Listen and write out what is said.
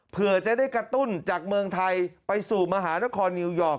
เพื่อจะได้กระตุ้นจากเมืองไทยไปสู่มหานครนิวยอร์ก